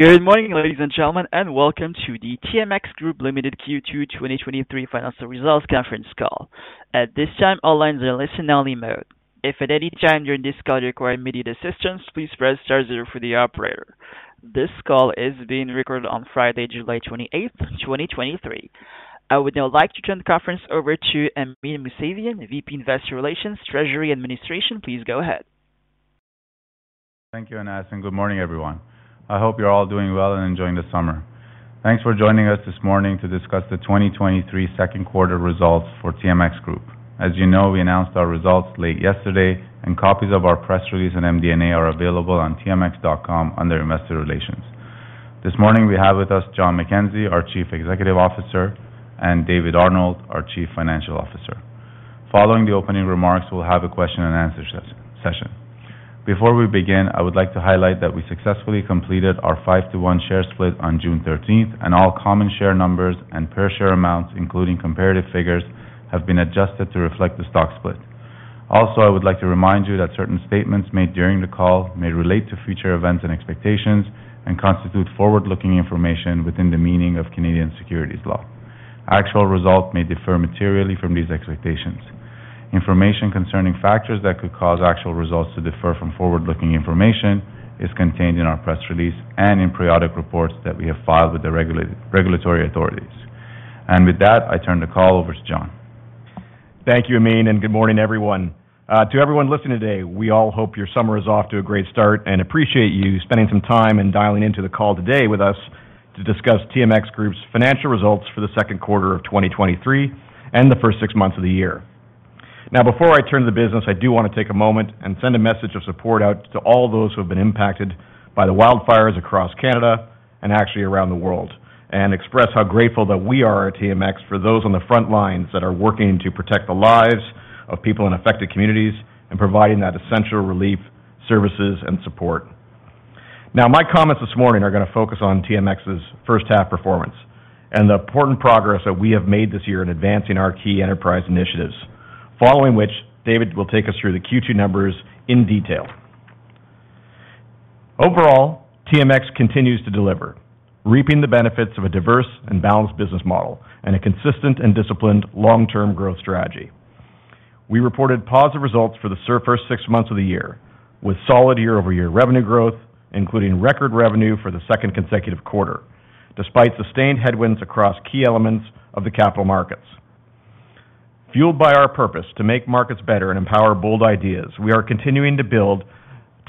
Good morning, ladies and gentlemen, and welcome to the TMX Group Limited Q2 2023 financial results conference call. At this time, all lines are in listen-only mode. If at any time during this call you require immediate assistance, please press star zero for the operator. This call is being recorded on Friday, July twenty-eighth, twenty twenty-three. I would now like to turn the conference over to Amin Mousavian, VP, Investor Relations, Treasury Administration. Please go ahead. Thank you, Anas, good morning, everyone. I hope you're all doing well and enjoying the summer. Thanks for joining us this morning to discuss the 2023 second quarter results for TMX Group. As you know, we announced our results late yesterday, and copies of our press release and MD&A are available on tmx.com under Investor Relations. This morning, we have with us John McKenzie, our Chief Executive Officer, and David Arnold, our Chief Financial Officer. Following the opening remarks, we'll have a question and answer session. Before we begin, I would like to highlight that we successfully completed our 5:1 share split on June thirteenth, and all common share numbers and per share amounts, including comparative figures, have been adjusted to reflect the stock split. Also, I would like to remind you that certain statements made during the call may relate to future events and expectations and constitute forward-looking information within the meaning of Canadian securities law. Actual results may differ materially from these expectations. Information concerning factors that could cause actual results to differ from forward-looking information is contained in our press release and in periodic reports that we have filed with the regulatory authorities. With that, I turn the call over to John. Thank you, Amin, and good morning, everyone. To everyone listening today, we all hope your summer is off to a great start and appreciate you spending some time and dialing into the call today with us to discuss TMX Group's financial results for the second quarter of 2023 and the first six months of the year. Now, before I turn to the business, I do want to take a moment and send a message of support out to all those who have been impacted by the wildfires across Canada and actually around the world, and express how grateful that we are at TMX for those on the front lines that are working to protect the lives of people in affected communities and providing that essential relief, services, and support. Now, my comments this morning are gonna focus on TMX's first half performance and the important progress that we have made this year in advancing our key enterprise initiatives, following which David will take us through the Q2 numbers in detail. Overall, TMX continues to deliver, reaping the benefits of a diverse and balanced business model and a consistent and disciplined long-term growth strategy. We reported positive results for the first six months of the year, with solid year-over-year revenue growth, including record revenue for the second consecutive quarter, despite sustained headwinds across key elements of the capital markets. Fueled by our purpose to make markets better and empower bold ideas, we are continuing to build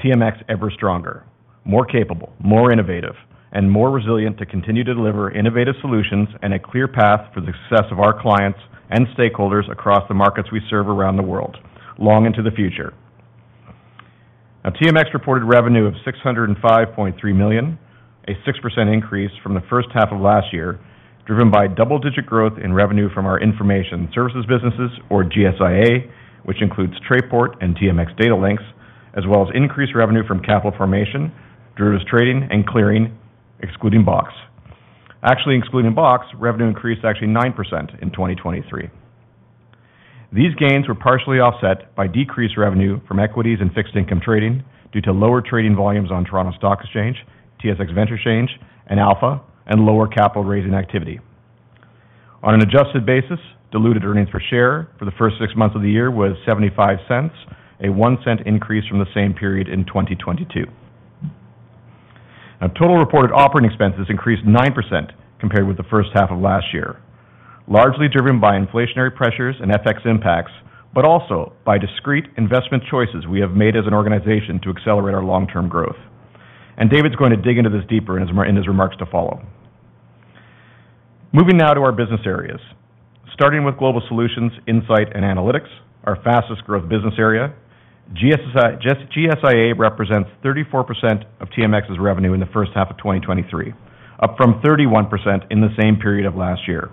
TMX ever stronger, more capable, more innovative, and more resilient to continue to deliver innovative solutions and a clear path for the success of our clients and stakeholders across the markets we serve around the world, long into the future. TMX reported revenue of 605.3 million, a 6% increase from the first half of last year, driven by double-digit growth in revenue from our information services businesses or GSIA, which includes Trayport and TMX Datalinx, as well as increased revenue from capital formation, derivatives trading, and clearing, excluding BOX. Actually, excluding BOX, revenue increased actually 9% in 2023. These gains were partially offset by decreased revenue from equities and fixed income trading due to lower trading volumes on Toronto Stock Exchange, TSX Venture Exchange, and Alpha, and lower capital raising activity. On an adjusted basis, diluted earnings per share for the first six months of the year was 0.75, a 0.01 increase from the same period in 2022. Total reported operating expenses increased 9% compared with the first half of last year, largely driven by inflationary pressures and FX impacts, but also by discrete investment choices we have made as an organization to accelerate our long-term growth. David's going to dig into this deeper in his remarks to follow. Moving now to our business areas. Starting with Global Solutions, Insight and Analytics, our fastest growth business area. GSIA represents 34% of TMX's revenue in the first half of 2023, up from 31% in the same period of last year.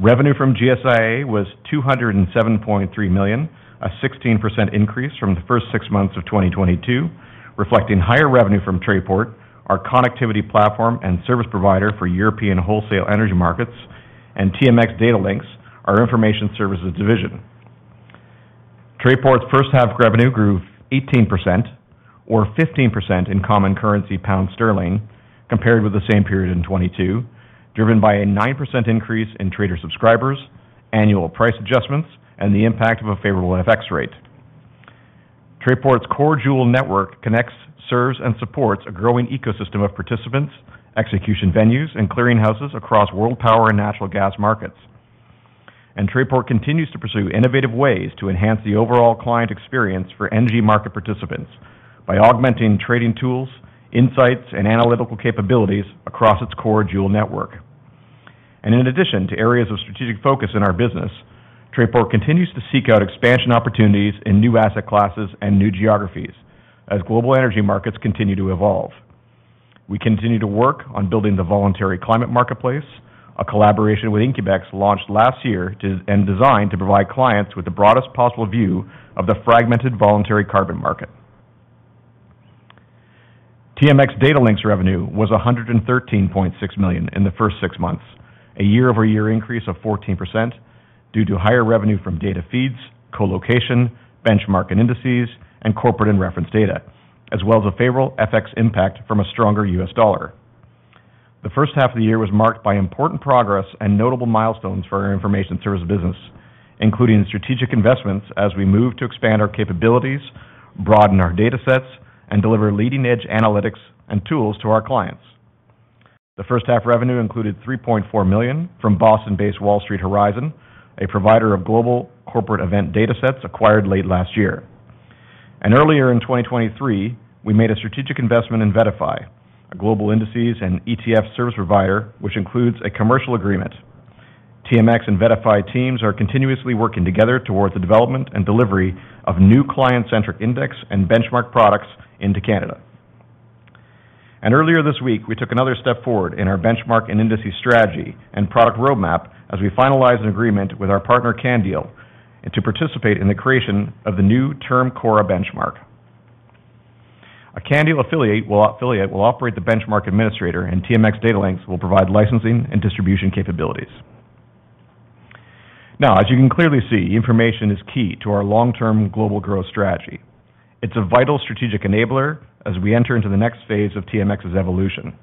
Revenue from GSIA was 207.3 million, a 16% increase from the first six months of 2022, reflecting higher revenue from Trayport, our connectivity platform and service provider for European wholesale energy markets, and TMX Datalinx, our information services division. Trayport's first half revenue grew 18% or 15% in common currency pound sterling, compared with the same period in 2022, driven by a 9% increase in trader subscribers, annual price adjustments, and the impact of a favorable FX rate. Trayport's core dual network connects, serves, and supports a growing ecosystem of participants, execution venues, and clearing houses across world power and natural gas markets. Trayport continues to pursue innovative ways to enhance the overall client experience for energy market participants by augmenting trading tools, insights, and analytical capabilities across its core dual network. In addition to areas of strategic focus in our business, Trayport continues to seek out expansion opportunities in new asset classes and new geographies as global energy markets continue to evolve. We continue to work on building the voluntary climate marketplace, a collaboration with Incubex, launched last year and designed to provide clients with the broadest possible view of the fragmented voluntary carbon market. TMX Datalinx revenue was 113.6 million in the first six months, a year-over-year increase of 14% due to higher revenue from data feeds, co-location, benchmark and indices, and corporate and reference data, as well as a favorable FX impact from a stronger US dollar. The first half of the year was marked by important progress and notable milestones for our information service business, including strategic investments as we move to expand our capabilities, broaden our data sets, and deliver leading-edge analytics and tools to our clients. The first half revenue included $3.4 million from Boston-based Wall Street Horizon, a provider of global corporate event data sets acquired late last year. Earlier in 2023, we made a strategic investment in VettaFi, a global indices and ETF service provider, which includes a commercial agreement. TMX and VettaFi teams are continuously working together towards the development and delivery of new client-centric index and benchmark products into Canada. Earlier this week, we took another step forward in our benchmark and indices strategy and product roadmap as we finalized an agreement with our partner CanDeal, and to participate in the creation of the new Term CORRA Benchmark. A CanDeal affiliate will operate the benchmark administrator, and TMX Datalinx will provide licensing and distribution capabilities. Now, as you can clearly see, information is key to our long-term global growth strategy. It's a vital strategic enabler as we enter into the next phase of TMX's evolution.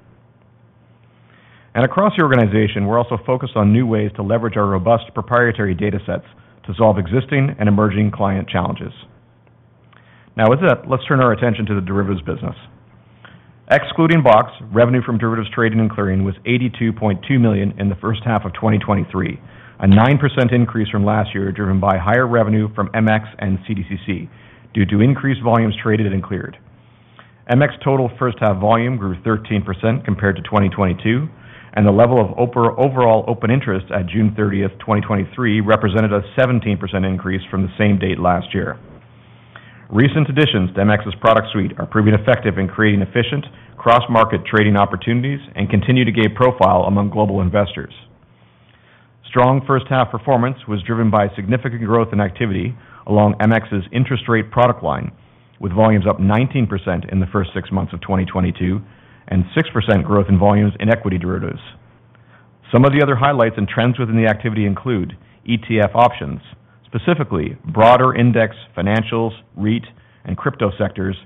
Across the organization, we're also focused on new ways to leverage our robust proprietary data sets to solve existing and emerging client challenges. Now, with that, let's turn our attention to the derivatives business. Excluding BOX, revenue from derivatives trading and clearing was 82.2 million in the first half of 2023, a 9% increase from last year, driven by higher revenue from MX and CDCC due to increased volumes traded and cleared. MX total first half volume grew 13% compared to 2022. The level of overall open interest at June 30th, 2023, represented a 17% increase from the same date last year. Recent additions to MX's product suite are proving effective in creating efficient cross-market trading opportunities and continue to gain profile among global investors. Strong first half performance was driven by significant growth in activity along MX's interest rate product line, with volumes up 19% in the first six months of 2022, and 6% growth in volumes in equity derivatives. Some of the other highlights and trends within the activity include ETF options. Specifically, broader index financials, REIT, and crypto sectors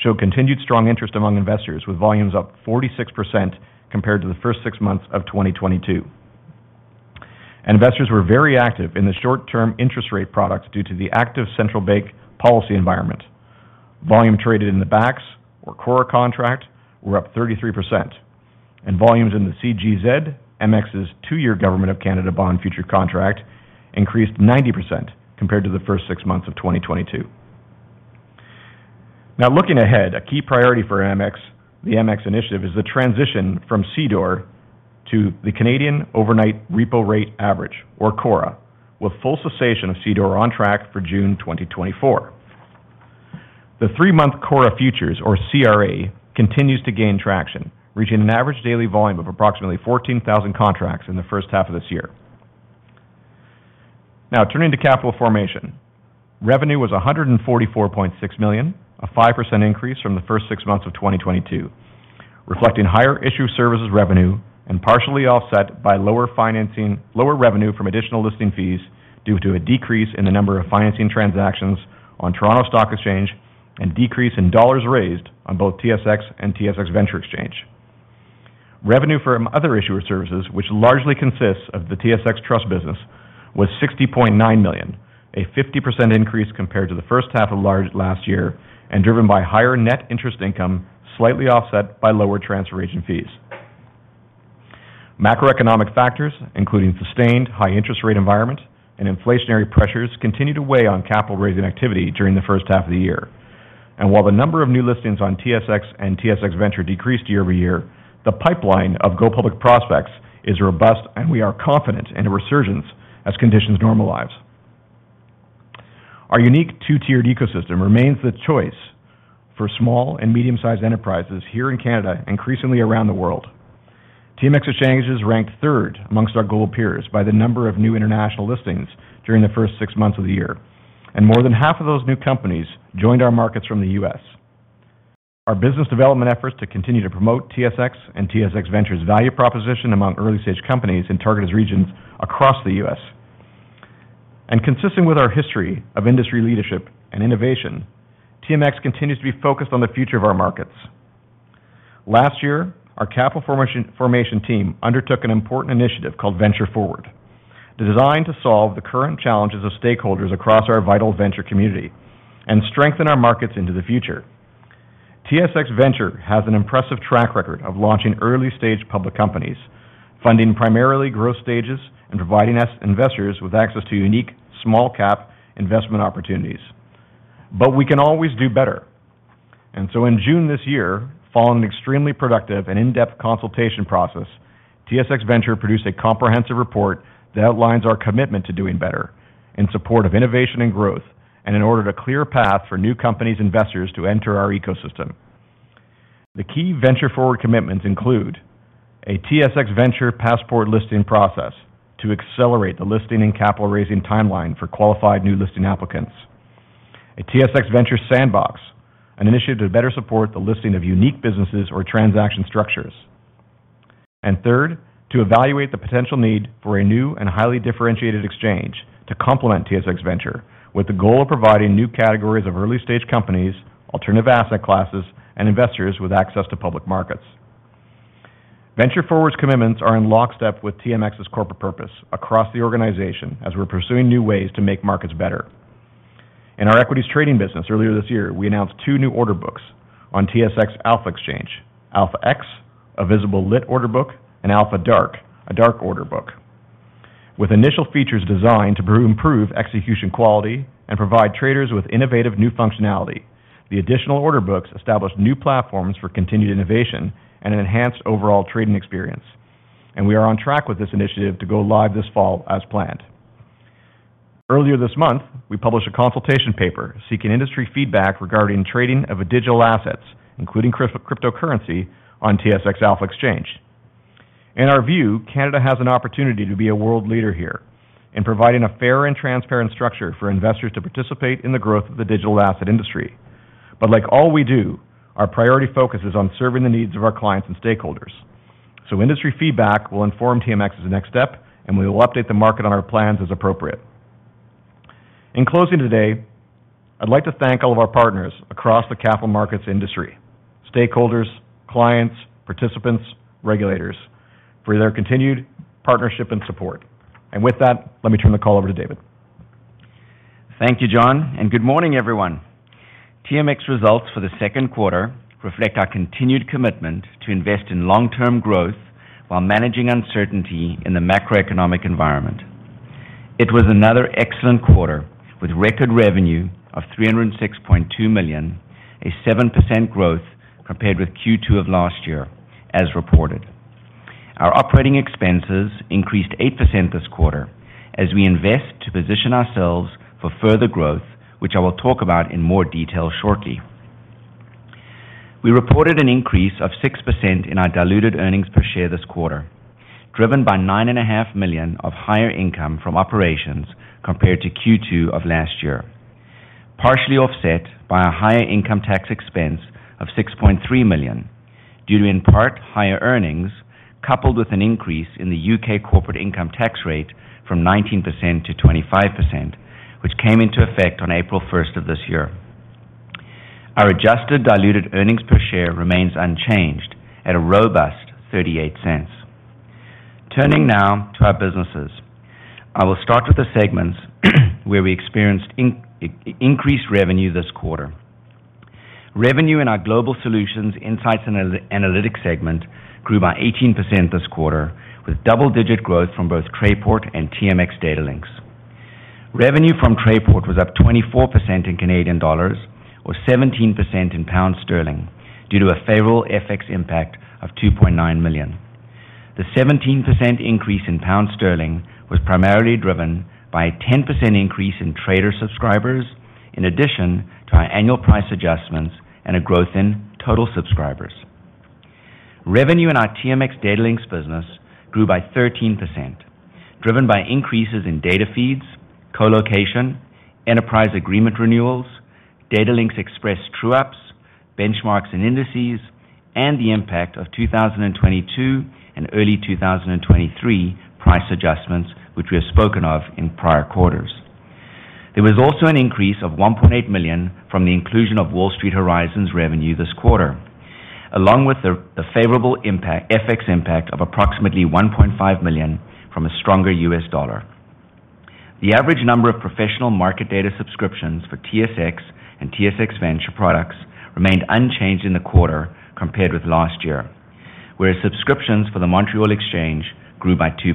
show continued strong interest among investors, with volumes up 46% compared to the first 6 months of 2022. Investors were very active in the short-term interest rate products due to the active central bank policy environment. Volume traded in the BAX or CORRA contract were up 33%, and volumes in the CGZ, TMX's two-year government of Canada bond future contract, increased 90% compared to the first 6 months of 2022. Looking ahead, a key priority for the TMX initiative, is the transition from CDOR to the Canadian Overnight Repo Rate Average, or CORRA, with full cessation of CDOR on track for June 2024. The 3-month CORRA futures, or CRA, continues to gain traction, reaching an average daily volume of approximately 14,000 contracts in the first half of this year. Now turning to capital formation. Revenue was 144.6 million, a 5% increase from the first six months of 2022, reflecting higher issue services revenue and partially offset by lower financing lower revenue from additional listing fees due to a decrease in the number of financing transactions on Toronto Stock Exchange and decrease in dollars raised on both TSX and TSX Venture Exchange. Revenue from other issuer services, which largely consists of the TSX Trust business, was 60.9 million, a 50% increase compared to the first half of last year, and driven by higher net interest income, slightly offset by lower transfer agent fees. Macroeconomic factors, including sustained high interest rate environment and inflationary pressures, continued to weigh on capital raising activity during the first half of the year. While the number of new listings on TSX and TSX Venture decreased year-over-year, the pipeline of go public prospects is robust, and we are confident in a resurgence as conditions normalize. Our unique two-tiered ecosystem remains the choice for small and medium-sized enterprises here in Canada, increasingly around the world. TMX Exchange is ranked third amongst our global peers by the number of new international listings during the first 6 months of the year, and more than half of those new companies joined our markets from the U.S. Our business development efforts to continue to promote TSX and TSX Venture's value proposition among early-stage companies in targeted regions across the U.S. Consistent with our history of industry leadership and innovation, TMX continues to be focused on the future of our markets. Last year, our capital formation team undertook an important initiative called Venture Forward, designed to solve the current challenges of stakeholders across our vital venture community and strengthen our markets into the future. TSX Venture has an impressive track record of launching early-stage public companies, funding primarily growth stages and providing investors with access to unique small cap investment opportunities. We can always do better. So in June this year, following an extremely productive and in-depth consultation process, TSX Venture produced a comprehensive report that outlines our commitment to doing better in support of innovation and growth, and in order to clear a path for new companies investors to enter our ecosystem. The key Venture Forward commitments include a TSX Venture passport listing process to accelerate the listing and capital raising timeline for qualified new listing applicants. A TSX Venture Sandbox, an initiative to better support the listing of unique businesses or transaction structures. Third, to evaluate the potential need for a new and highly differentiated exchange to complement TSX Venture, with the goal of providing new categories of early-stage companies, alternative asset classes, and investors with access to public markets. Venture Forward's commitments are in lockstep with TMX's corporate purpose across the organization, as we're pursuing new ways to make markets better. In our equities trading business earlier this year, we announced two new order books on TSX Alpha Exchange, Alpha X, a visible lit order book, and Alpha Dark, a dark order book. With initial features designed to improve execution quality and provide traders with innovative new functionality, the additional order books established new platforms for continued innovation and an enhanced overall trading experience. We are on track with this initiative to go live this fall as planned. Earlier this month, we published a consultation paper seeking industry feedback regarding trading of digital assets, including cryptocurrency, on TSX Alpha Exchange. In our view, Canada has an opportunity to be a world leader here in providing a fair and transparent structure for investors to participate in the growth of the digital asset industry. Like all we do, our priority focus is on serving the needs of our clients and stakeholders. Industry feedback will inform TMX's next step, and we will update the market on our plans as appropriate. In closing today, I'd like to thank all of our partners across the capital markets industry, stakeholders, clients, participants, regulators, for their continued partnership and support. With that, let me turn the call over to David. Thank you, John, and good morning, everyone. TMX results for the second quarter reflect our continued commitment to invest in long-term growth while managing uncertainty in the macroeconomic environment. It was another excellent quarter, with record revenue of 306.2 million, a 7% growth compared with Q2 of last year, as reported. Our operating expenses increased 8% this quarter as we invest to position ourselves for further growth, which I will talk about in more detail shortly. We reported an increase of 6% in our diluted earnings per share this quarter, driven by 9.5 million of higher income from operations compared to Q2 of last year, partially offset by a higher income tax expense of 6.3 million, due to, in part, higher earnings, coupled with an increase in the U.K. corporate income tax rate from 19% to 25%, which came into effect on April 1st of this year. Our adjusted diluted earnings per share remains unchanged at a robust 0.38. Turning now to our businesses. I will start with the segments where we experienced increased revenue this quarter. Revenue in our Global Solutions Insights and Analytics segment grew by 18% this quarter, with double-digit growth from both Trayport and TMX Datalinx. Revenue from Trayport was up 24% in CAD or 17% in GBP, due to a favorable FX impact of 2.9 million. The 17% increase in GBP was primarily driven by a 10% increase in trader subscribers, in addition to our annual price adjustments and a growth in total subscribers. Revenue in our TMX Datalinx business grew by 13%, driven by increases in data feeds, colocation, enterprise agreement renewals, datalinx express true ups, benchmarks and indices, and the impact of 2022 and early 2023 price adjustments, which we have spoken of in prior quarters. There was also an increase of 1.8 million from the inclusion of Wall Street Horizon's revenue this quarter, along with the favorable FX impact of approximately 1.5 million from a stronger US dollar. The average number of professional market data subscriptions for TSX and TSX Venture products remained unchanged in the quarter compared with last year, whereas subscriptions for the Montreal Exchange grew by 2%.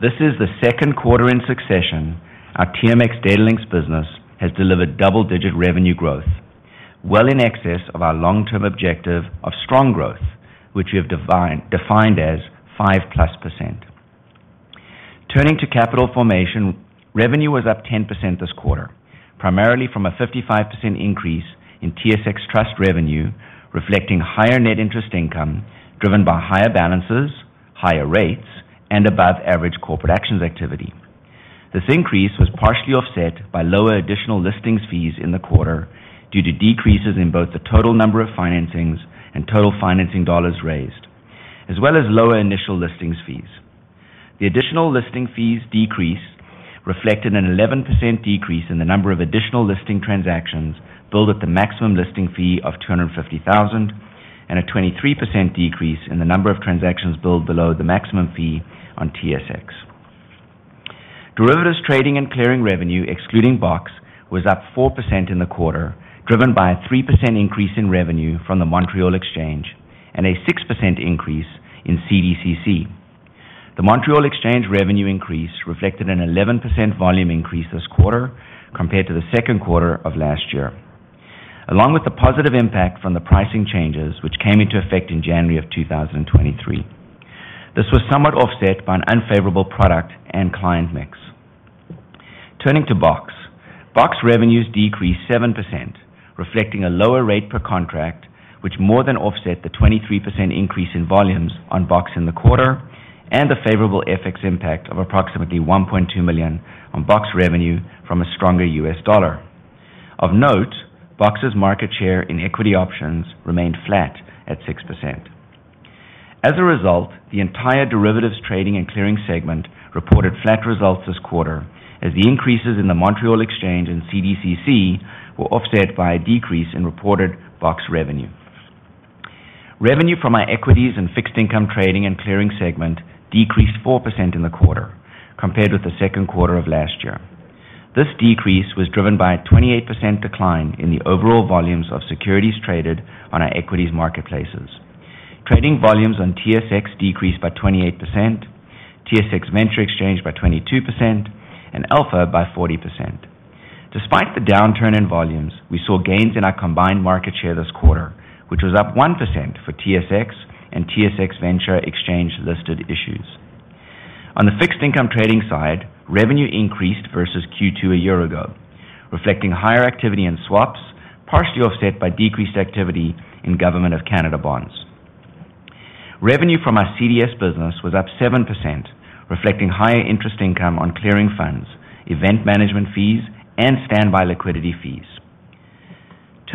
This is the second quarter in succession our TMX Datalinx business has delivered double-digit revenue growth, well in excess of our long-term objective of strong growth, which we have defined as 5+%. Turning to capital formation, revenue was up 10% this quarter, primarily from a 55% increase in TSX Trust revenue, reflecting higher net interest income, driven by higher balances, higher rates, and above-average corporate actions activity. This increase was partially offset by lower additional listings fees in the quarter due to decreases in both the total number of financings and total financing dollars raised, as well as lower initial listings fees. The additional listing fees decrease reflected an 11% decrease in the number of additional listing transactions billed at the maximum listing fee of 250,000, and a 23% decrease in the number of transactions billed below the maximum fee on TSX. Derivatives trading and clearing revenue, excluding BOX, was up 4% in the quarter, driven by a 3% increase in revenue from the Montreal Exchange and a 6% increase in CDCC. The Montreal Exchange revenue increase reflected an 11% volume increase this quarter compared to the second quarter of last year, along with the positive impact from the pricing changes, which came into effect in January 2023. This was somewhat offset by an unfavorable product and client mix. Turning to BOX. BOX revenues decreased 7% reflecting a lower rate per contract, which more than offset the 23% increase in volumes on BOX in the quarter, and a favorable FX impact of approximately 1.2 million on BOX revenue from a stronger US dollar. Of note, BOX's market share in equity options remained flat at 6%. As a result, the entire derivatives trading and clearing segment reported flat results this quarter, as the increases in the Montreal Exchange and CDCC were offset by a decrease in reported BOX revenue. Revenue from our equities and fixed income trading and clearing segment decreased 4% in the quarter, compared with the second quarter of last year. This decrease was driven by a 28% decline in the overall volumes of securities traded on our equities marketplaces. Trading volumes on TSX decreased by 28%, TSX Venture Exchange by 22%, and Alpha by 40%. Despite the downturn in volumes, we saw gains in our combined market share this quarter, which was up 1% for TSX and TSX Venture exchange-listed issues. On the fixed income trading side, revenue increased versus Q2 a year ago, reflecting higher activity in swaps, partially offset by decreased activity in Government of Canada bonds. Revenue from our CDS business was up 7%, reflecting higher interest income on clearing funds, event management fees, and standby liquidity fees.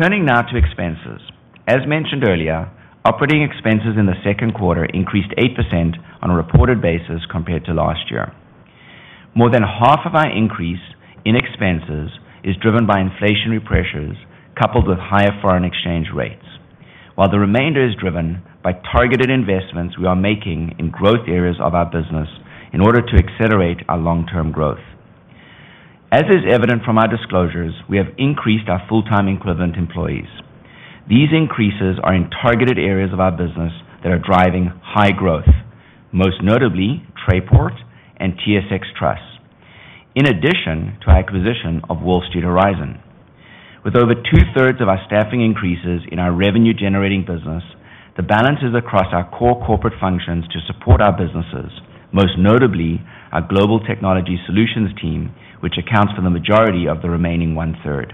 Turning now to expenses. As mentioned earlier, operating expenses in the second quarter increased 8% on a reported basis compared to last year. More than half of our increase in expenses is driven by inflationary pressures, coupled with higher foreign exchange rates, while the remainder is driven by targeted investments we are making in growth areas of our business in order to accelerate our long-term growth. As is evident from our disclosures, we have increased our full-time equivalent employees. These increases are in targeted areas of our business that are driving high growth, most notably, Trayport and TSX Trust, in addition to our acquisition of Wall Street Horizon. With over two-thirds of our staffing increases in our revenue-generating business, the balance is across our core corporate functions to support our businesses, most notably our Global Technology Solutions team, which accounts for the majority of the remaining one-third.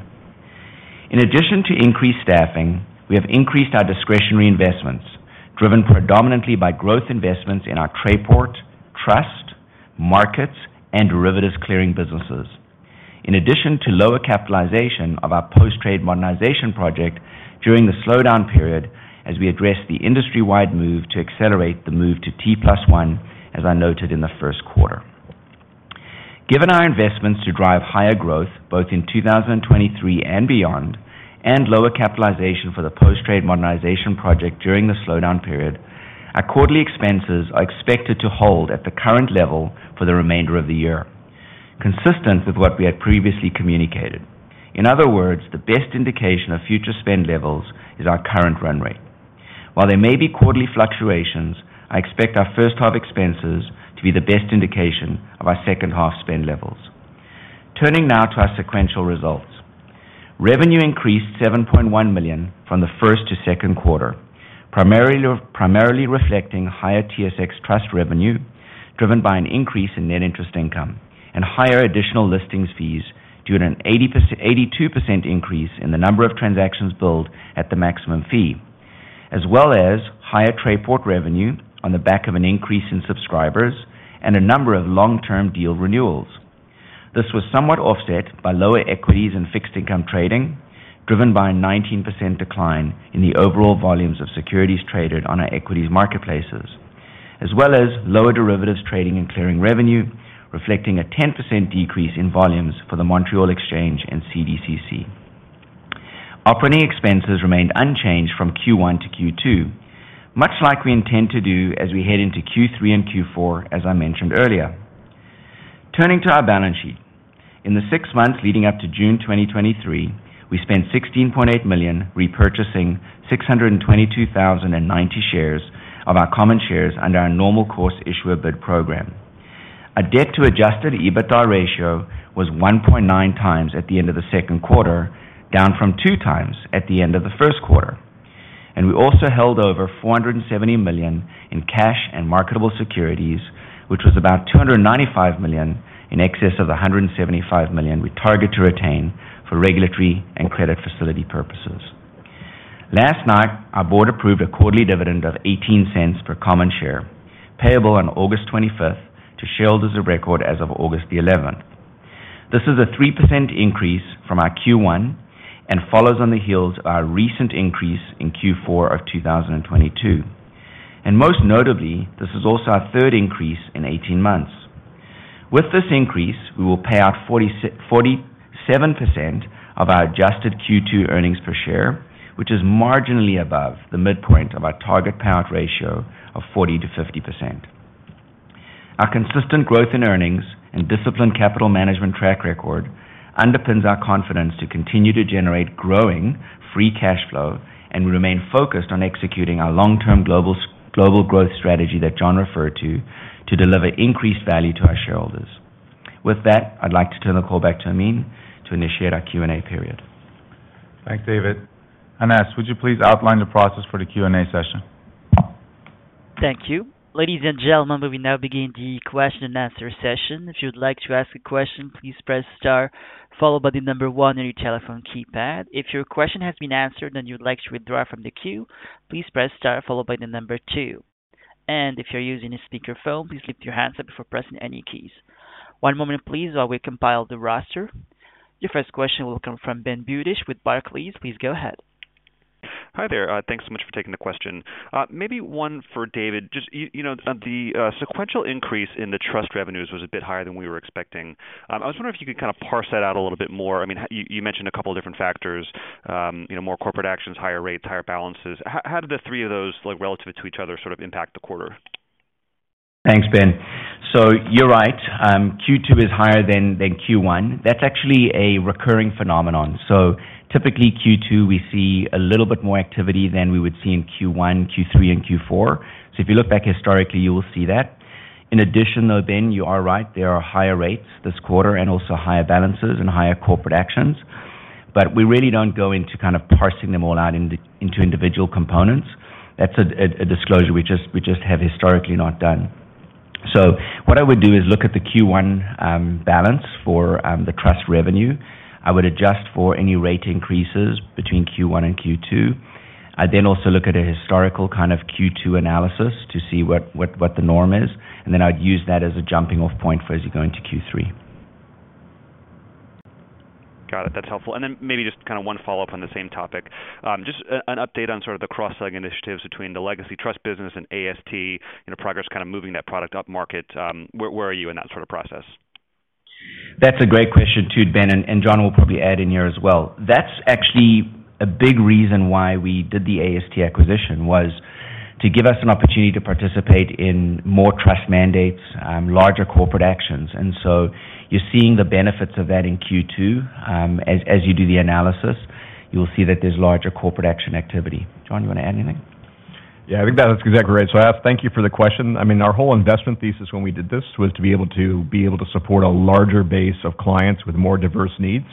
In addition to increased staffing, we have increased our discretionary investments, driven predominantly by growth investments in our Trayport, Trust, Markets, and Derivatives Clearing businesses. In addition to lower capitalization of our post-trade modernization project during the slowdown period, as we address the industry-wide move to accelerate the move to T+1, as I noted in the first quarter. Given our investments to drive higher growth, both in 2023 and beyond, and lower capitalization for the post-trade modernization project during the slowdown period, our quarterly expenses are expected to hold at the current level for the remainder of the year, consistent with what we had previously communicated. In other words, the best indication of future spend levels is our current run rate. While there may be quarterly fluctuations, I expect our first half expenses to be the best indication of our second-half spend levels. Turning now to our sequential results. Revenue increased 7.1 million from the first to second quarter, primarily reflecting higher TSX Trust revenue, driven by an increase in net interest income and higher additional listings fees, due to an 82% increase in the number of transactions billed at the maximum fee, as well as higher Trayport revenue on the back of an increase in subscribers and a number of long-term deal renewals. This was somewhat offset by lower equities and fixed income trading, driven by a 19% decline in the overall volumes of securities traded on our equities marketplaces, as well as lower derivatives trading and clearing revenue, reflecting a 10% decrease in volumes for the Montreal Exchange and CDCC. Operating expenses remained unchanged from Q1 to Q2, much like we intend to do as we head into Q3 and Q4, as I mentioned earlier. Turning to our balance sheet. In the six months leading up to June 2023, we spent 16.8 million, repurchasing 622,090 shares of our common shares under our normal course issuer bid program. Our debt to adjusted EBITDA ratio was 1.9 times at the end of the second quarter, down from 2 times at the end of the first quarter. We also held over 470 million in cash and marketable securities, which was about 295 million, in excess of the 175 million we target to retain for regulatory and credit facility purposes. Last night, our board approved a quarterly dividend of 0.18 per common share, payable on August 25th, to shareholders of record as of August 11th. This is a 3% increase from our Q1 and follows on the heels of our recent increase in Q4 of 2022. Most notably, this is also our third increase in 18 months. With this increase, we will pay out 47% of our adjusted Q2 earnings per share, which is marginally above the midpoint of our target payout ratio of 40%-50%. Our consistent growth in earnings and disciplined capital management track record underpins our confidence to continue to generate growing free cash flow, and we remain focused on executing our long-term global growth strategy that John referred to, to deliver increased value to our shareholders. With that, I'd like to turn the call back to Amin to initiate our Q&A period. Thanks, David. Anas, would you please outline the process for the Q&A session? .Thank you. Ladies and gentlemen, we now begin the question and answer session. If you'd like to ask a question, please press star, followed by the number one on your telephone keypad. If your question has been answered and you'd like to withdraw from the queue, please press star followed by the number two. If you're using a speakerphone, please lift your handset before pressing any keys. One moment please, while we compile the roster. Your first question will come from Ben Budish with Barclays. Please go ahead. Hi there. Thanks so much for taking the question. Maybe one for David. Just, you know, the sequential increase in the trust revenues was a bit higher than we were expecting. I was wondering if you could kind of parse that out a little bit more. I mean, you, you mentioned a couple different factors, you know, more corporate actions, higher rates, higher balances. How, how did the three of those, like, relative to each other, sort of impact the quarter? Thanks, Ben. You're right, Q2 is higher than Q1. That's actually a recurring phenomenon. Typically, Q2, we see a little bit more activity than we would see in Q1, Q3, and Q4. If you look back historically, you will see that. In addition, though, Ben, you are right, there are higher rates this quarter and also higher balances and higher corporate actions. We really don't go into kind of parsing them all out into individual components. That's a disclosure we just have historically not done. What I would do is look at the Q1 balance for the trust revenue. I would adjust for any rate increases between Q1 and Q2. I'd also look at a historical kind of Q2 analysis to see what, what, what the norm is, and then I'd use that as a jumping-off point for as you go into Q3. Got it. That's helpful. Then maybe just kind of one follow-up on the same topic. Just a, an update on sort of the cross-sell initiatives between the legacy trust business and AST, and the progress kind of moving that product upmarket. Where, where are you in that sort of process? That's a great question, too, Ben, and, and John will probably add in here as well. That's actually a big reason why we did the AST acquisition, was to give us an opportunity to participate in more trust mandates, larger corporate actions. So you're seeing the benefits of that in Q2. As, as you do the analysis, you'll see that there's larger corporate action activity. John, you want to add anything? Yeah, I think that's exactly right. I have to thank you for the question. I mean, our whole investment thesis when we did this was to be able to support a larger base of clients with more diverse needs.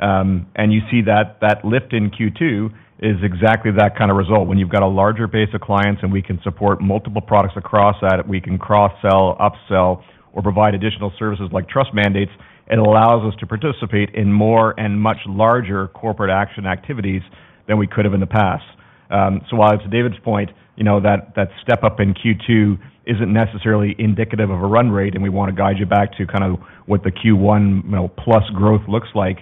You see that, that lift in Q2 is exactly that kind of result. When you've got a larger base of clients and we can support multiple products across that, we can cross-sell, upsell, or provide additional services like trust mandates, it allows us to participate in more and much larger corporate action activities than we could have in the past. While to David's point, you know, that, that step up in Q2 isn't necessarily indicative of a run rate, and we want to guide you back to kind of what the Q1 plus growth looks like,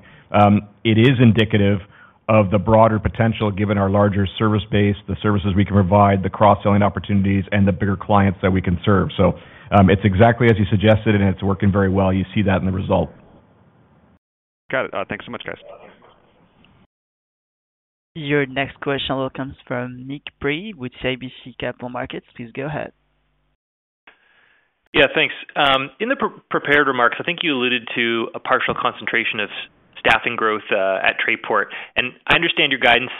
it is indicative of the broader potential, given our larger service base, the services we can provide, the cross-selling opportunities, and the bigger clients that we can serve. It's exactly as you suggested, and it's working very well. You see that in the result. Got it. Thanks so much, guys. Your next question will comes from Nick Priebe with CIBC Capital Markets. Please go ahead. Yeah, thanks. In the prepared remarks, I think you alluded to a partial concentration of staffing growth at Trayport. I understand your guidance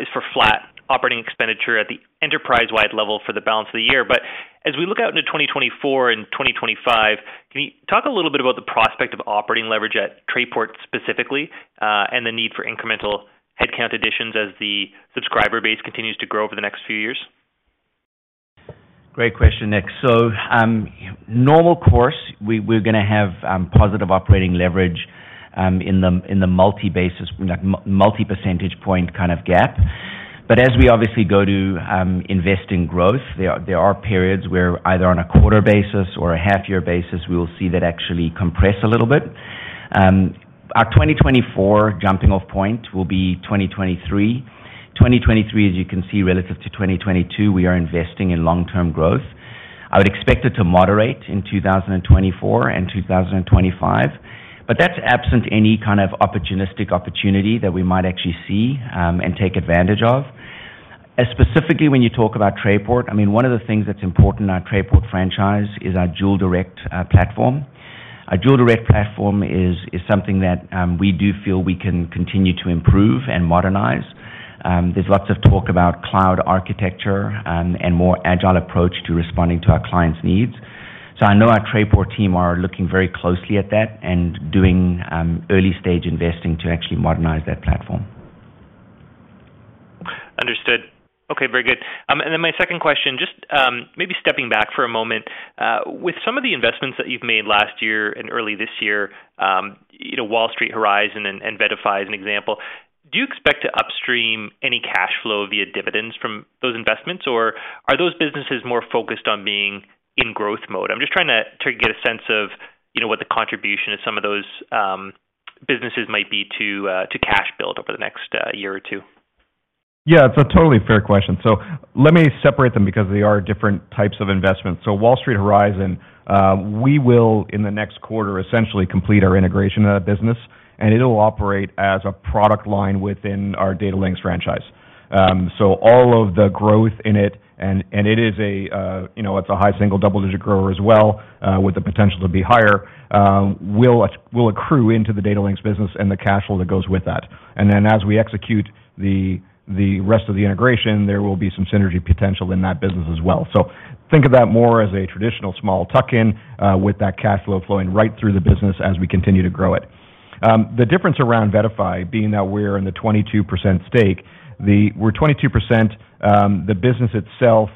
is for flat operating expenditure at the enterprise-wide level for the balance of the year. As we look out into 2024 and 2025, can you talk a little bit about the prospect of operating leverage at Trayport specifically, and the need for incremental headcount additions as the subscriber base continues to grow over the next few years? Great question, Nick. Normal course, we, we're gonna have positive operating leverage in the, in the multi basis... like, multi percentage point kind of gap. As we obviously go to invest in growth, there are, there are periods where either on a quarter basis or a half year basis, we will see that actually compress a little bit. Our 2024 jumping-off point will be 2023. 2023, as you can see, relative to 2022, we are investing in long-term growth. I would expect it to moderate in 2024 and 2025, but that's absent any kind of opportunistic opportunity that we might actually see and take advantage of. As specifically, when you talk about Trayport, I mean, one of the things that's important in our Trayport franchise is our dual direct platform. A dual direct platform is, is something that we do feel we can continue to improve and modernize. There's lots of talk about cloud architecture and more agile approach to responding to our clients' needs. I know our Trayport team are looking very closely at that and doing early-stage investing to actually modernize that platform. Understood. Okay, very good. Then my second question, just, maybe stepping back for a moment, with some of the investments that you've made last year and early this year, you know, Wall Street Horizon and, and VettaFi as an example, do you expect to upstream any cash flow via dividends from those investments, or are those businesses more focused on being in growth mode? I'm just trying to, to get a sense of, you know, what the contribution of some of those, businesses might be to, to cash build over the next, year or two. Yeah, it's a totally fair question. Let me separate them because they are different types of investments. Wall Street Horizon, we will, in the next quarter, essentially complete our integration of that business, and it'll operate as a product line within our Datalinx franchise. All of the growth in it, and, and it is a, you know, it's a high single, double-digit grower as well, with the potential to be higher, will accrue into the Datalinx business and the cash flow that goes with that. As we execute the, the rest of the integration, there will be some synergy potential in that business as well. Think of that more as a traditional small tuck-in, with that cash flow flowing right through the business as we continue to grow it. The difference around VettaFi, being that we're in the 22% stake, we're 22%, the business itself,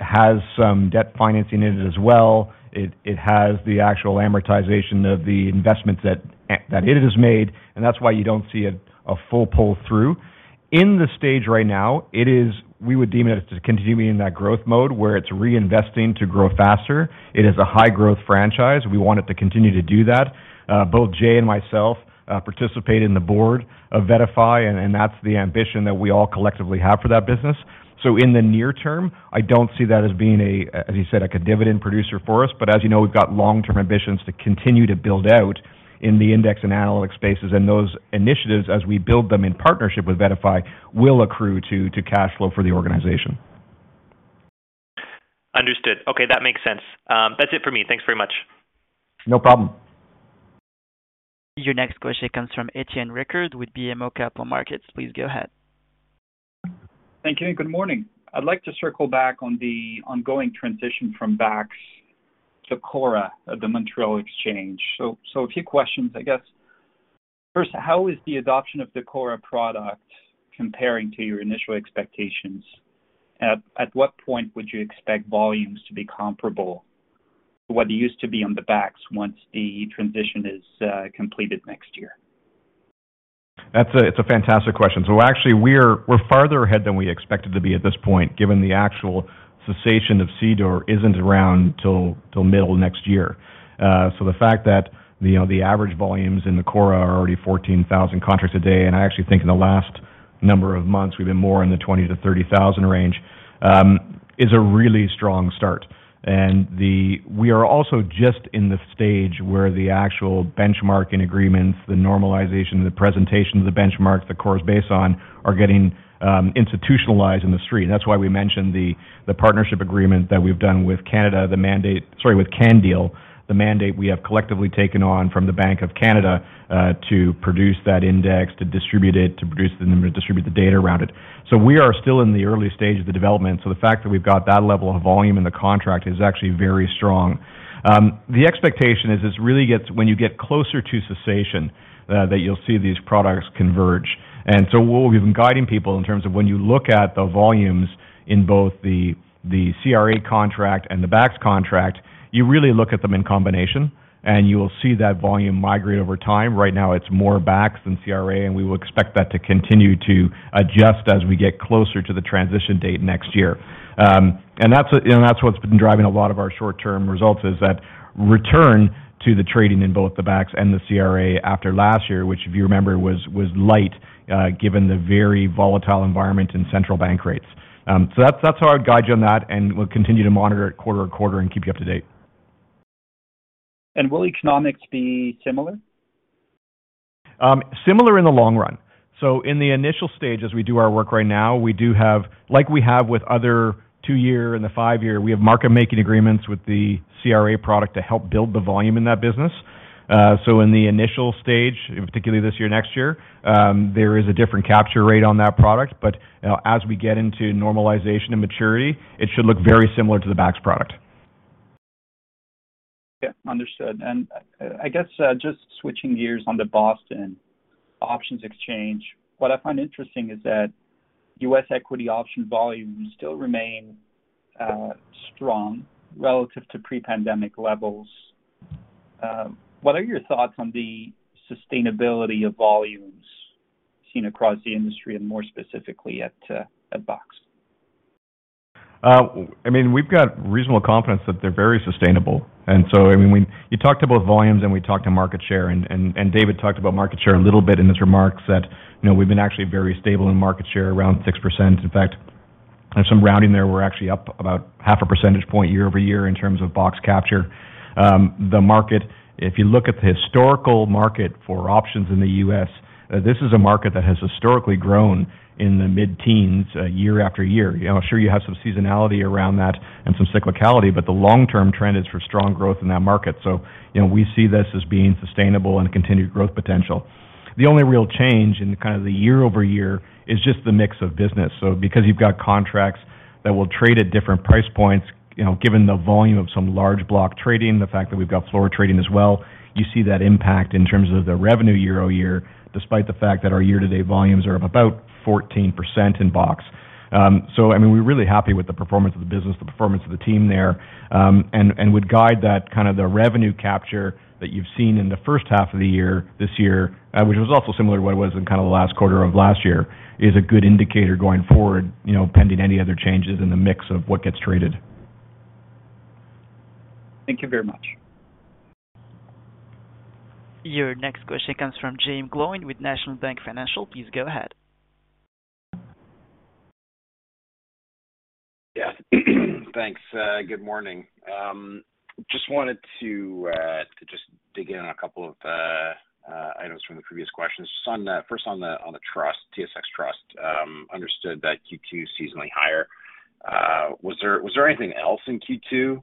has some debt financing in it as well. It, it has the actual amortization of the investments that, that it has made. That's why you don't see a, a full pull-through. In the stage right now, we would deem it as to continuing in that growth mode, where it's reinvesting to grow faster. It is a high-growth franchise. We want it to continue to do that. Both Jay and myself participate in the board of VettaFi, and that's the ambition that we all collectively have for that business. In the near term, I don't see that as being a, as you said, like a dividend producer for us. As you know, we've got long-term ambitions to continue to build out in the index and analytics spaces, and those initiatives, as we build them in partnership with VettaFi, will accrue to, to cash flow for the organization. Understood. Okay, that makes sense. That's it for me. Thanks very much. No problem. Your next question comes from Etienne Rickard with BMO Capital Markets. Please go ahead. Thank you. Good morning. I'd like to circle back on the ongoing transition from BAX to CORRA, of the Montreal Exchange. So a few questions, I guess. First, how is the adoption of the CORRA product comparing to your initial expectations? At what point would you expect volumes to be comparable to what used to be on the BAX once the transition is completed next year? That's It's a fantastic question. Actually, we're, we're farther ahead than we expected to be at this point, given the actual cessation of CDOR isn't around till, till middle of next year. The fact that, you know, the average volumes in the CORRA are already 14,000 contracts a day, and I actually think in the last number of months, we've been more in the 20,000-30,000 range, is a really strong start. We are also just in the stage where the actual benchmarking agreements, the normalization, the presentation of the benchmark that CORRA is based on, are getting institutionalized in the street. That's why we mentioned the, the partnership agreement that we've done with Canada, the mandate, sorry, with CanDeal, the mandate we have collectively taken on from the Bank of Canada, to produce that index, to distribute it, to produce the number, to distribute the data around it. We are still in the early stage of the development. The fact that we've got that level of volume in the contract is actually very strong. The expectation is really gets, when you get closer to cessation, that you'll see these products converge. What we've been guiding people in terms of when you look at the volumes in both the, the CRA contract and the BAX contract, you really look at them in combination, and you will see that volume migrate over time. Right now, it's more BAX than CRA. We will expect that to continue to adjust as we get closer to the transition date next year. That's, you know, that's what's been driving a lot of our short-term results, is that return to the trading in both the BAX and the CRA after last year, which, if you remember, was, was light, given the very volatile environment in central bank rates. That's, that's how I'd guide you on that, and we'll continue to monitor it quarter to quarter and keep you up to date. Will economics be similar? Similar in the long run. In the initial stages, we do our work right now, we do have like we have with other two-year and the five-year, we have market-making agreements with the CRA product to help build the volume in that business. In the initial stage, particularly this year, next year, there is a different capture rate on that product. As we get into normalization and maturity, it should look very similar to the BAX product. Yeah, understood. I, I guess, just switching gears on the Boston Options Exchange, what I find interesting is that U.S. equity option volumes still remain strong relative to pre-pandemic levels. What are your thoughts on the sustainability of volumes seen across the industry and more specifically at BOX? I mean, we've got reasonable confidence that they're very sustainable. I mean, when you talk to both volumes and we talk to market share, and David talked about market share a little bit in his remarks, that, you know, we've been actually very stable in market share around 6%. In fact, there's some rounding there. We're actually up about 0.5 percentage point year-over-year in terms of BOX capture. The market, if you look at the historical market for options in the U.S., this is a market that has historically grown in the mid-teens year after year. You know, I'm sure you have some seasonality around that and some cyclicality, but the long-term trend is for strong growth in that market. You know, we see this as being sustainable and continued growth potential. The only real change in kind of the year-over-year is just the mix of business. Because you've got contracts that will trade at different price points, you know, given the volume of some large block trading, the fact that we've got floor trading as well, you see that impact in terms of the revenue year-over-year, despite the fact that our year-to-date volumes are of about 14% in BOX. I mean, we're really happy with the performance of the business, the performance of the team there, and would guide that kind of the revenue capture that you've seen in the first half of the year, this year, which was also similar to what it was in kind of the last quarter of last year, is a good indicator going forward, you know, pending any other changes in the mix of what gets traded. Thank you very much. Your next question comes from Jaeme Gloyn with National Bank Financial. Please go ahead. Yeah. Thanks. Good morning. Just wanted to just dig in on a couple of items from the previous questions. Just on the, first, on the, on the trust, TSX Trust. Understood that Q2 is seasonally higher. Was there, was there anything else in Q2?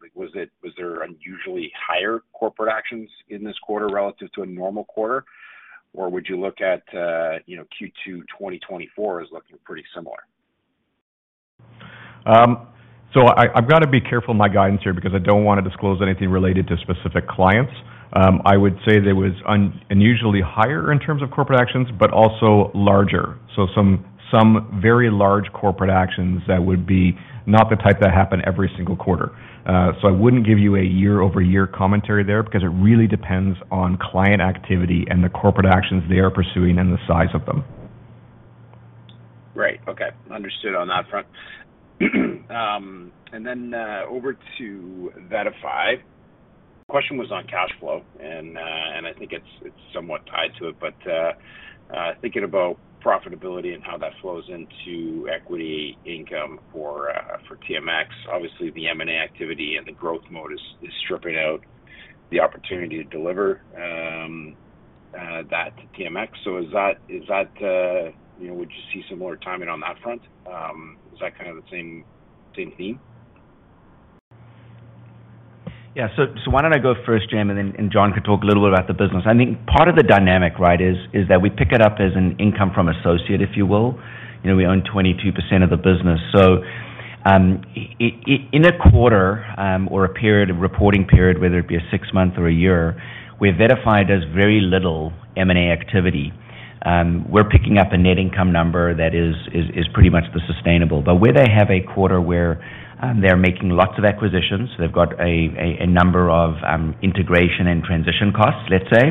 Like, was there unusually higher corporate actions in this quarter relative to a normal quarter? Would you look at, you know, Q2 2024 as looking pretty similar? I, I've got to be careful in my guidance here because I don't want to disclose anything related to specific clients. I would say there was unusually higher in terms of corporate actions, but also larger. Some, some very large corporate actions that would be not the type that happen every single quarter. I wouldn't give you a year-over-year commentary there because it really depends on client activity and the corporate actions they are pursuing and the size of them. Right. Okay. Understood on that front. Over to VettaFi. Question was on cash flow, I think it's, it's somewhat tied to it, but thinking about profitability and how that flows into equity income for TMX, obviously, the M&A activity and the growth mode is, is stripping out the opportunity to deliver that TMX. Is that, is that, you know, would you see some more timing on that front? Is that kind of the same, same theme? Yeah. Why don't I go first, Jim, and then John could talk a little bit about the business. I think part of the dynamic, right, is that we pick it up as an income from associate, if you will. You know, we own 22% of the business. In a quarter, or a period, a reporting period, whether it be a six-month or a year, where VettaFi does very little M&A activity, we're picking up a net income number that is pretty much the sustainable. Where they have a quarter where they're making lots of acquisitions, they've got a number of integration and transition costs, let's say,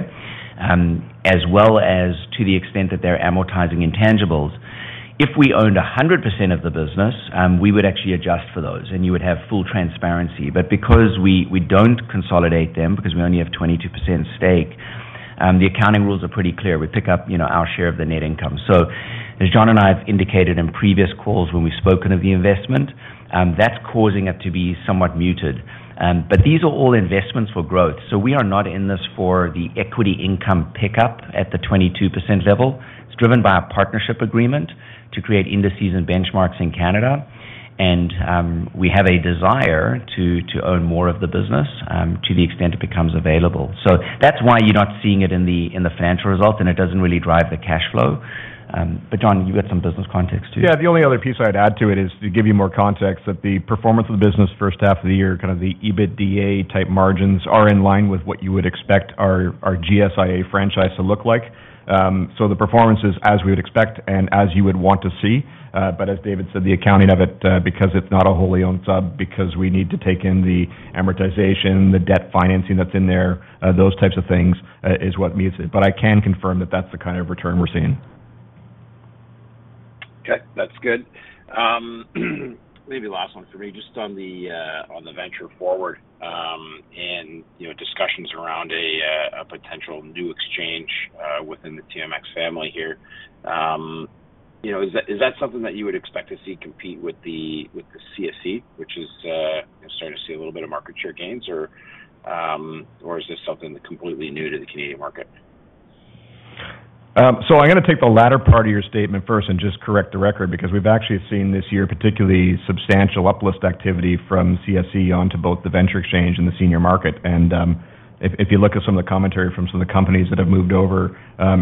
as well as to the extent that they're amortizing intangibles. If we owned 100% of the business, we would actually adjust for those, and you would have full transparency. Because we, we don't consolidate them, because we only have 22% stake, the accounting rules are pretty clear. We pick up, you know, our share of the net income. As John and I have indicated in previous calls when we've spoken of the investment, that's causing it to be somewhat muted. These are all investments for growth, so we are not in this for the equity income pickup at the 22% level. It's driven by a partnership agreement to create indices and benchmarks in Canada, we have a desire to, to own more of the business, to the extent it becomes available. That's why you're not seeing it in the, in the financial results, and it doesn't really drive the cash flow. John, you got some business context, too. Yeah, the only other piece I'd add to it is, to give you more context, that the performance of the business first half of the year, kind of the EBITDA-type margins, are in line with what you would expect our, our GSIA franchise to look like. The performance is as we would expect and as you would want to see. As David said, the accounting of it, because it's not a wholly owned sub, because we need to take in the amortization, the debt financing that's in there, those types of things, is what mutes it. I can confirm that that's the kind of return we're seeing. Okay, that's good. Maybe last one for me, just on the venture forward, and, you know, discussions around a potential new exchange within the TMX family here. You know, is that, is that something that you would expect to see compete with the, with the CSE, which is starting to see a little bit of market share gains, or is this something completely new to the Canadian market? I'm gonna take the latter part of your statement first and just correct the record, because we've actually seen this year, particularly substantial uplist activity from CSE onto both the venture exchange and the senior market. If, if you look at some of the commentary from some of the companies that have moved over,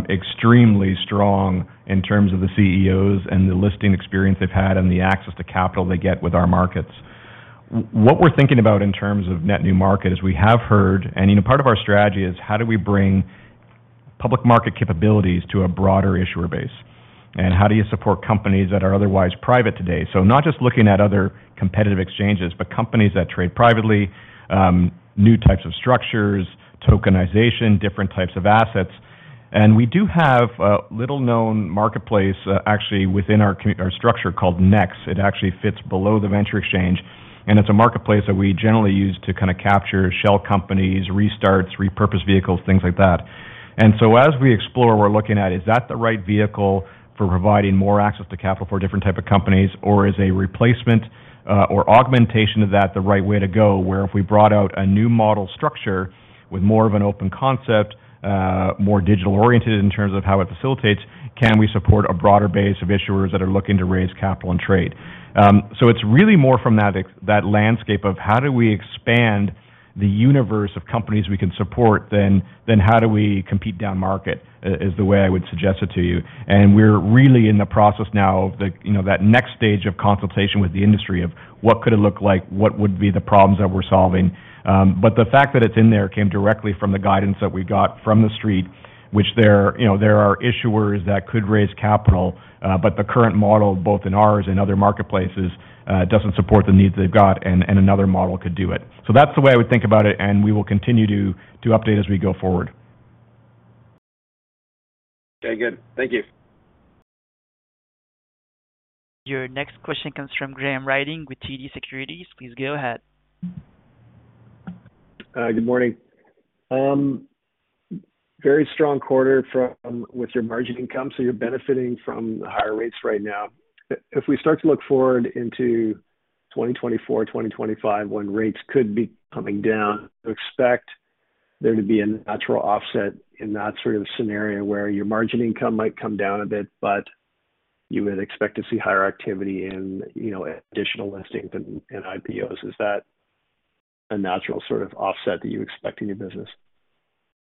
extremely strong in terms of the CEOs and the listing experience they've had and the access to capital they get with our markets. What we're thinking about in terms of net new market is we have heard. You know, part of our strategy is: How do we bring public market capabilities to a broader issuer base? How do you support companies that are otherwise private today? Not just looking at other competitive exchanges, but companies that trade privately, new types of structures, tokenization, different types of assets. We do have a little-known marketplace, actually within our our structure called NEX. It actually fits below the venture exchange, and it's a marketplace that we generally use to kind of capture shell companies, restarts, repurposed vehicles, things like that. As we explore, we're looking at, is that the right vehicle for providing more access to capital for different type of companies, or is a replacement, or augmentation of that the right way to go? Where if we brought out a new model structure with more of an open concept, more digital-oriented in terms of how it facilitates, can we support a broader base of issuers that are looking to raise capital and trade? It's really more from that that landscape of how do we expand the universe of companies we can support, than, than how do we compete downmarket, is the way I would suggest it to you. We're really in the process now of the, you know, that next stage of consultation with the industry of what could it look like, what would be the problems that we're solving. The fact that it's in there came directly from the guidance that we got from the street, which there, you know, there are issuers that could raise capital, but the current model, both in ours and other marketplaces, doesn't support the needs they've got, and, and another model could do it. That's the way I would think about it, and we will continue to, to update as we go forward. Okay, good. Thank you. Your next question comes from Graham Ryding with TD Securities. Please go ahead. Good morning. Very strong quarter with your margin income, so you're benefiting from the higher rates right now. If, if we start to look forward into 2024, 2025, when rates could be coming down, do you expect there to be a natural offset in that sort of scenario, where your margin income might come down a bit, but you would expect to see higher activity in, you know, additional listings and, and IPOs? Is that a natural sort of offset that you expect in your business?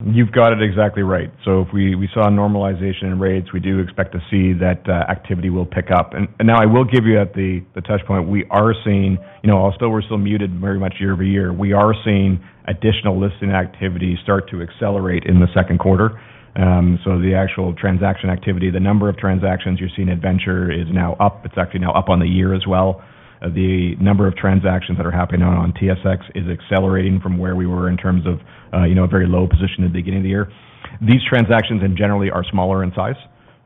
You've got it exactly right. If we, we saw a normalization in rates, we do expect to see that activity will pick up. Now I will give you at the, the touch point, we are seeing, you know, while still-- we're still muted very much year-over-year, we are seeing additional listing activity start to accelerate in the second quarter. The actual transaction activity, the number of transactions you're seeing at Venture is now up. It's actually now up on the year as well. The number of transactions that are happening on TSX is accelerating from where we were in terms of, you know, a very low position at the beginning of the year. These transactions in generally are smaller in size,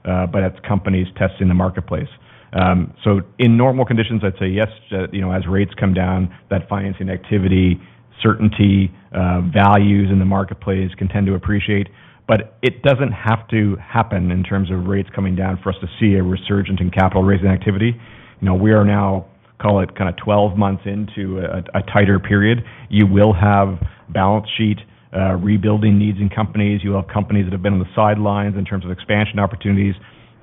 but it's companies testing the marketplace. In normal conditions, I'd say yes, you know, as rates come down, that financing activity, certainty, values in the marketplace can tend to appreciate, but it doesn't have to happen in terms of rates coming down for us to see a resurgence in capital raising activity. You know, we are now, call it, kind of 12 months into a, a tighter period. You will have balance sheet rebuilding needs in companies. You will have companies that have been on the sidelines in terms of expansion opportunities,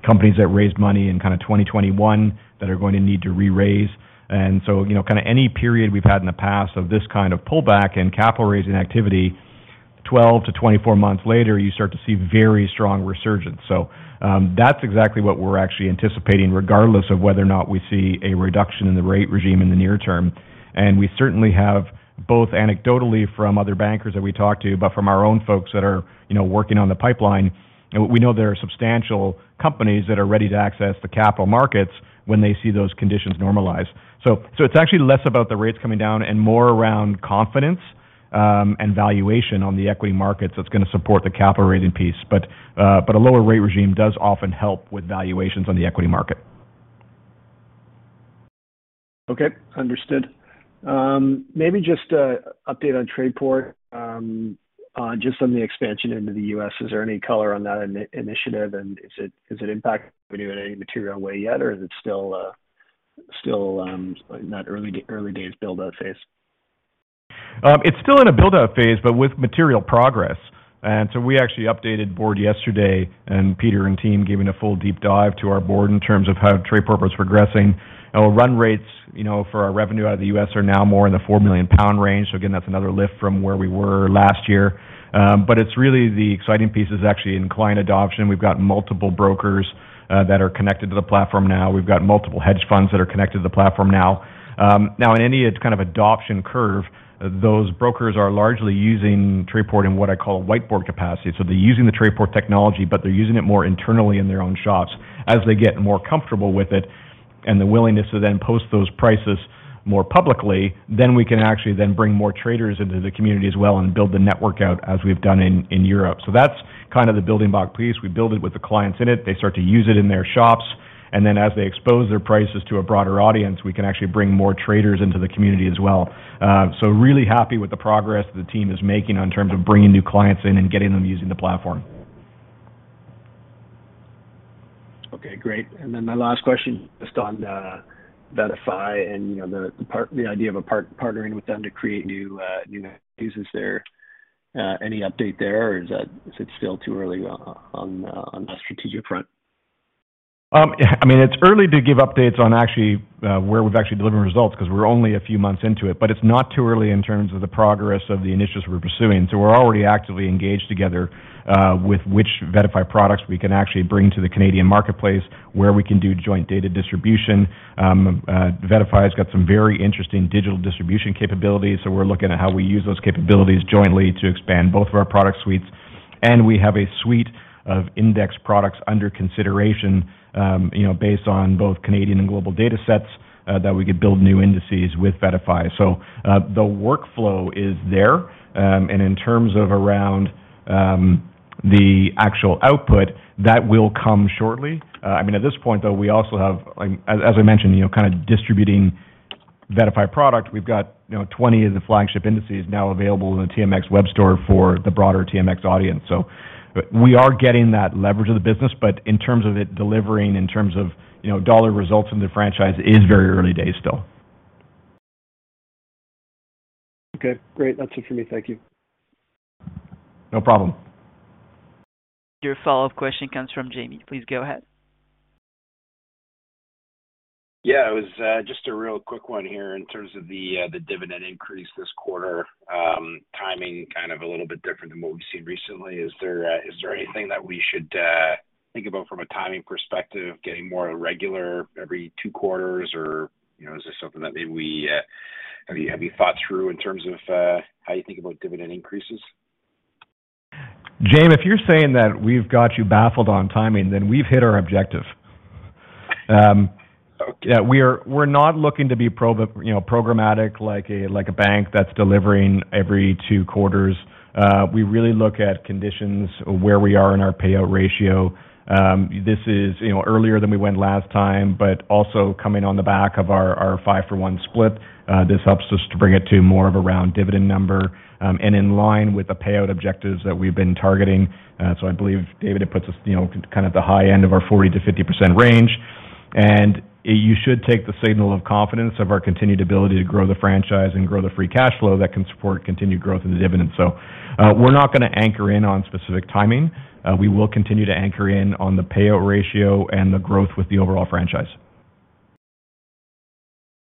companies that raised money in kind of 2021, that are going to need to re-raise. So, you know, kind of any period we've had in the past of this kind of pullback and capital raising activity, 12months - 24 months later, you start to see very strong resurgence. That's exactly what we're actually anticipating, regardless of whether or not we see a reduction in the rate regime in the near term. We certainly have, both anecdotally from other bankers that we talk to, but from our own folks that are, you know, working on the pipeline, and we know there are substantial companies that are ready to access the capital markets when they see those conditions normalize. It's actually less about the rates coming down and more around confidence, and valuation on the equity markets that's going to support the capital raising piece. A lower rate regime does often help with valuations on the equity market. Okay, understood. Maybe just a update on Trayport, just on the expansion into the U.S.? Is there any color on that initiative, and is it, is it impacting you in any material way yet, or is it still, still, in that early, early days build-out phase? It's still in a build-out phase, but with material progress. We actually updated Board yesterday, and Peter and team gave a full deep dive to our Board in terms of how Trayport was progressing. Our run rates, you know, for our revenue out of the U.S., are now more in the 4 million pound range. That's another lift from where we were last year. It's really the exciting piece is actually in client adoption. We've got multiple brokers that are connected to the platform now. We've got multiple hedge funds that are connected to the platform now. In any, it's kind of adoption curve, those brokers are largely using Trayport in what I call whiteboard capacity. They're using the Trayport technology, but they're using it more internally in their own shops. As they get more comfortable with it and the willingness to then post those prices more publicly, then we can actually then bring more traders into the community as well and build the network out as we've done in, in Europe. That's kind of the building block piece. We build it with the clients in it, they start to use it in their shops, and then as they expose their prices to a broader audience, we can actually bring more traders into the community as well. Really happy with the progress the team is making in terms of bringing new clients in and getting them using the platform. Okay, great. Then my last question, just on, VettaFi and, you know, the idea of partnering with them to create new, new pieces. Is there any update there, or is that, is it still too early on, on the, on the strategic front? Yeah, I mean, it's early to give updates on actually where we've actually delivered results because we're only a few months into it, but it's not too early in terms of the progress of the initiatives we're pursuing. We're already actively engaged together with which VettaFi products we can actually bring to the Canadian marketplace, where we can do joint data distribution. VettaFi has got some very interesting digital distribution capabilities, so we're looking at how we use those capabilities jointly to expand both of our product suites. We have a suite of index products under consideration, you know, based on both Canadian and global datasets that we could build new indices with VettaFi. The workflow is there, and in terms of around the actual output, that will come shortly. I mean, at this point, though, we also have, as, as I mentioned, you know, kind of distributing VettaFi product. We've got, you know, 20 of the flagship indices now available in the TMX web store for the broader TMX audience. We are getting that leverage of the business, but in terms of it delivering, in terms of, you know, dollar results in the franchise, it is very early days still. Okay, great. That's it for me. Thank you. No problem. Your follow-up question comes from Jaeme. Please go ahead. Yeah, it was just a real quick one here in terms of the dividend increase this quarter. Timing kind of a little bit different than what we've seen recently. Is there anything that we should think about from a timing perspective, getting more regular every two quarters? Or, you know, is this something that maybe we, have you thought through in terms of how you think about dividend increases? Jaeme, if you're saying that we've got you baffled on timing, then we've hit our objective. Yeah, we're, we're not looking to be you know, programmatic like a, like a bank that's delivering every two quarters. We really look at conditions where we are in our payout ratio. This is, you know, earlier than we went last time, but also coming on the back of our, our five for one split. This helps us to bring it to more of a round dividend number, and in line with the payout objectives that we've been targeting. I believe, David, it puts us, you know, kind of the high end of our 40%-50% range. you should take the signal of confidence of our continued ability to grow the franchise and grow the free cash flow that can support continued growth in the dividend. we're not gonna anchor in on specific timing. we will continue to anchor in on the payout ratio and the growth with the overall franchise.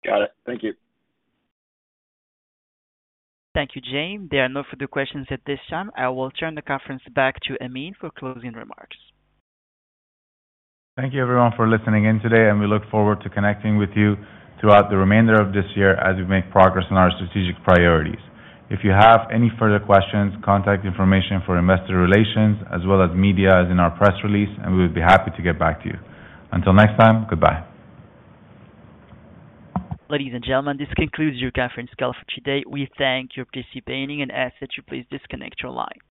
Got it. Thank you. Thank you, Jaeme. There are no further questions at this time. I will turn the conference back to Amin for closing remarks. Thank you, everyone, for listening in today, and we look forward to connecting with you throughout the remainder of this year as we make progress on our strategic priorities. If you have any further questions, contact information for Investor Relations as well as media is in our press release, and we would be happy to get back to you. Until next time, goodbye. Ladies and gentlemen, this concludes your conference call for today. We thank you for participating and ask that you please disconnect your line.